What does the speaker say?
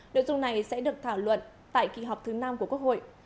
điều dùng này sẽ được thảo luận tại kỳ họp thứ năm của quốc hội